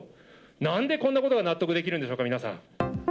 なんでこんなことが納得できるんでしょうか、皆さん。